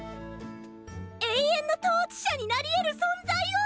永遠の統治者になりえる存在を！